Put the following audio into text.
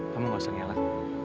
kamu gak usah ngelak